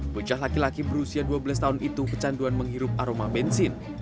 bocah laki laki berusia dua belas tahun itu kecanduan menghirup aroma bensin